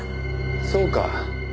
そうか！